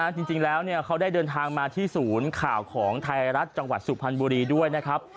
จริงแล้วเขาได้เดินทางมาที่ศูนย์ข่าวของไทยรัฐจังหวัดสุพรรณบุรีด้วยนะครับ